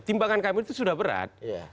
timbangan kami itu sudah berat